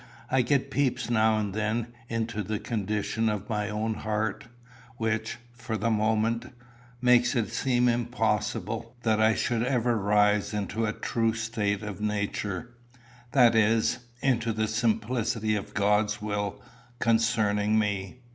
I get peeps now and then into the condition of my own heart, which, for the moment, make it seem impossible that I should ever rise into a true state of nature that is, into the simplicity of God's will concerning me.